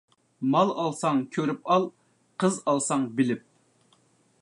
مال ئالساڭ كۆرۈپ ئال، قىز ئالساڭ بىلىپ.